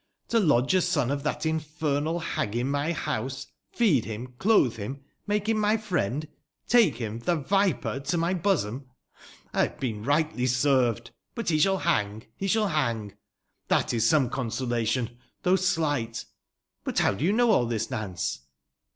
To lodge a son of tbat infernal bag in my bouse — ^feed bim, clotbe bim, make bim my friend — ^take bim, tbe viper ! to my bosom ! I bave been rigbtly served. But be sball bang !— be sball bang ! Tbat is some consolation, tbougb sligbt. But bow do you know all tbis, Nance